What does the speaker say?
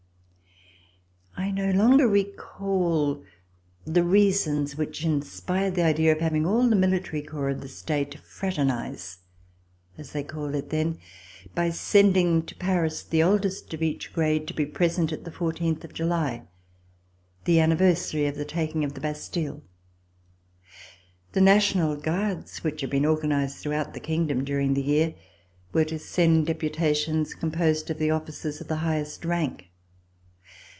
I no longer recall the reasons which inspired the idea of having all the military corps of the State fraternize, as they called it then, by sending to Paris [in] RECOLLECTIONS OF THE REVOLUTION the oldest of each grade to be present the fourteenth of July, the anniversary of the taking of the Bastille. The National Guards, which had been organized throughout the kingdom during the year, were to send deputations composed of the officers of the highest rank.